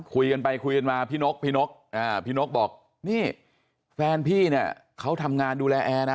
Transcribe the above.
คุยกันไปคุยกันมาพี่นกพี่นกพี่นกบอกนี่แฟนพี่เนี่ยเขาทำงานดูแลแอร์นะ